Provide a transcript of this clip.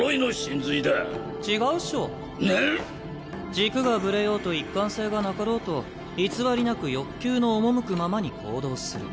⁉軸がぶれようと一貫性がなかろうと偽りなく欲求の赴くままに行動する。